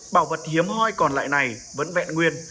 bảo vật hiếm hoi còn lại này vẫn vẹn nguyên